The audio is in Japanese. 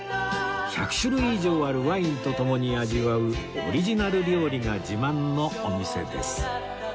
１００種類以上あるワインと共に味わうオリジナル料理が自慢のお店です